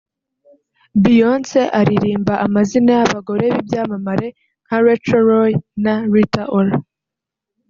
Beyonce aririmba amazina y’abagore b’ibyamamare nka Rachel Roy na Rita Ora